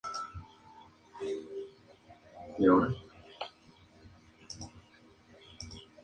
Más adelante, el tratado científico menciona a otros.